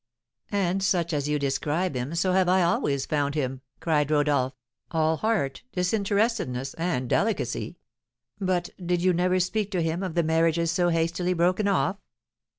"And such as you describe him, so have I always found him," cried Rodolph; "all heart, disinterestedness, and delicacy! But did you never speak to him of the marriages so hastily broken off?"